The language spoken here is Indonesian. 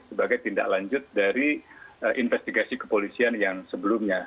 sebagai tindak lanjut dari investigasi kepolisian yang sebelumnya